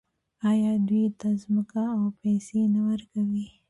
آیا دوی ته ځمکه او پیسې نه ورکوي؟